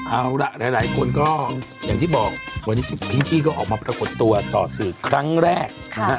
เอาล่ะหลายคนก็อย่างที่บอกวันนี้พิงกี้ก็ออกมาปรากฏตัวต่อสื่อครั้งแรกนะฮะ